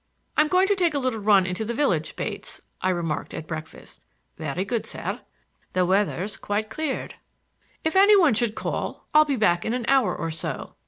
"I'm going to take a little run into the village, Bates," I remarked at breakfast. "Very good, sir. The weather's quite cleared." "If any one should call I'll be back in an hour or so."